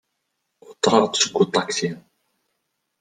Uṭreɣ-d seg uṭaksi.